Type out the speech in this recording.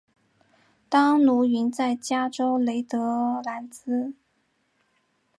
当奴云在加州雷德兰兹。